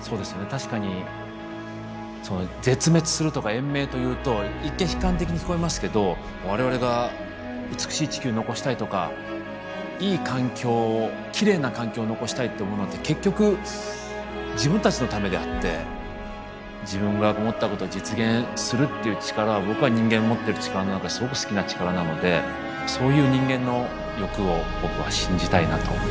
確かに絶滅するとか延命というと一見悲観的に聞こえますけど我々が美しい地球残したいとかいい環境をきれいな環境を残したいって思うのって結局自分たちのためであって自分が思ったことを実現するっていう力は僕は人間の持ってる力の中ですごく好きな力なのでそういう人間の欲を僕は信じたいなと思いました。